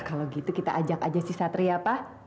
kalau gitu kita ajak aja si satria apa